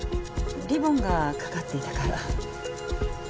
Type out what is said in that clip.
リボンがかかっていたから。